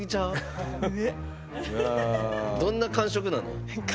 どんな感触なの？